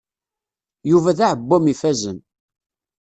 Yuba d aɛewwam ifazen.